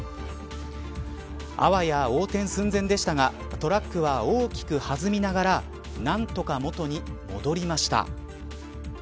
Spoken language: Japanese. あわや横転寸前でしたがトラックは大きく弾みながら何とか元に戻りました。